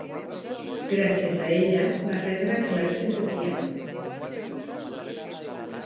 Gràcies a ella, va rebre classes de piano.